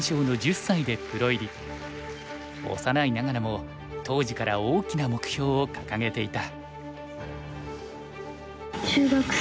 幼いながらも当時から大きな目標を掲げていた。